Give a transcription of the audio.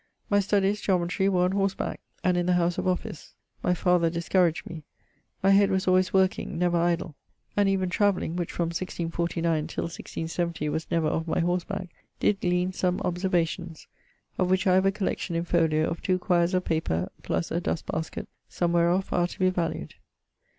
My studies (geometry) were on horse back[VIII.], and the house of office: (my father discouraged me). My head was alwaies working; never idle, and even travelling (which from 1649 till 1670 was never off my horsback) did gleane som observations, of which I have a collection in folio of 2 quiers of paper + a dust basket, some wherof are to be valued.